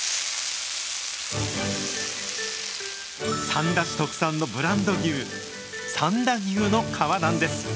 三田市特産のブランド牛、三田牛の革なんです。